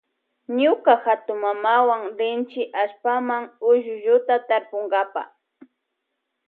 Ñuka hatunmamawa rinchi allpama ullulluta tarpunkapa.